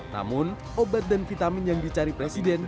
namun obat dan vitamin yang dicari presiden